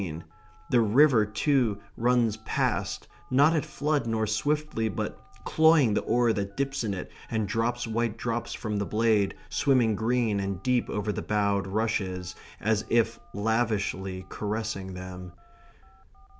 And the river too runs past, not at flood, nor swiftly, but cloying the oar that dips in it and drops white drops from the blade, swimming green and deep over the bowed rushes, as if lavishly caressing them.